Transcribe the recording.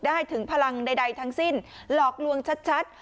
ถึงพลังใดทั้งสิ้นหลอกลวงชัด